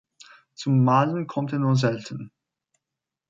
Zum Malen kommt er nur selten.